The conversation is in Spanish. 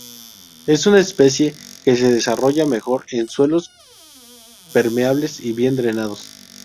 Es una especie que se desarrolla mejor en suelos permeables y bien drenados.